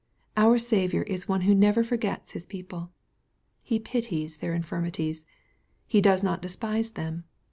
Our Saviour is one who never forgets His people. He pities their infirmities. He does not despise them.